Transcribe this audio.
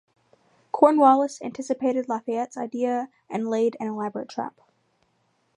Cornwallis anticipated Lafayette's idea, and laid an elaborate trap.